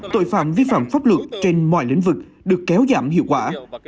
tội phạm vi phạm pháp luật trên mọi lĩnh vực được kéo giảm hiệu quả